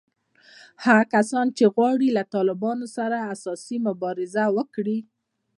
هغه کسان چې غواړي له طالبانو سره اساسي مبارزه وکړي